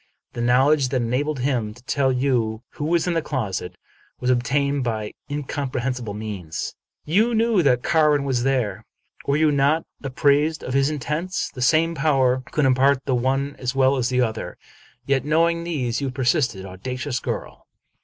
The knowledge that enabled him to tell you who was in the closet was obtained by incomprehensible means. " You knew that Carwin was there. Were you not ap prised of his intents ? The same power CQuld impart the one as well as the other. Yet, knowing these, you persisted. Audacious girl